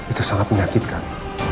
itu sangat menyakitkan